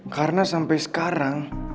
karena sampai sekarang